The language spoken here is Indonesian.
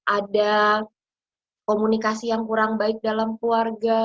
ada komunikasi yang kurang baik dalam keluarga